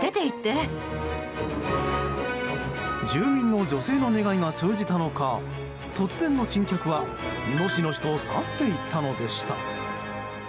住民の女性の願いが通じたのか突然の珍客は、のしのしと去っていったのでした。